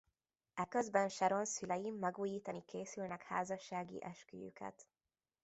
Eközben Sharon szülei megújítani készülnek házassági esküjüket.